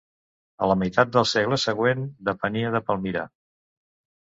A la meitat del segle següent depenia de Palmira.